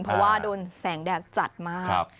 เพราะว่าโดนแสงแดดจัดมาก